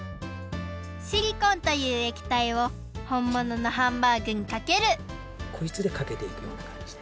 シリコンというえきたいをほんもののハンバーグにかけるこいつでかけていくようなかんじで。